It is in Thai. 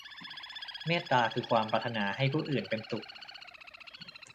เมตตาคือความปรารถนาให้ผู้อื่นเป็นสุข